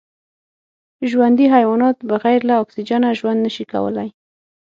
ژوندي حیوانات بغیر له اکسېجنه ژوند نشي کولای